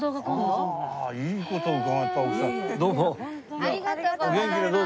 ありがとうございます。